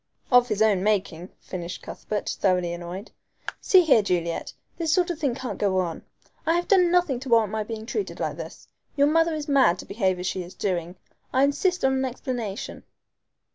"Of his own making," finished Cuthbert, thoroughly annoyed. "See here, Juliet, this sort of thing can't go on. I have done nothing to warrant my being treated like this. Your mother is mad to behave as she is doing. I insist on an explanation."